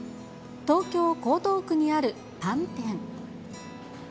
東京・江東区にあるパン店。